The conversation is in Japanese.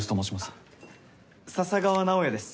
あっ笹川直哉です